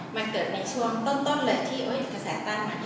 มันเกิดในช่วงต้นเลยที่มีกระแสต้าน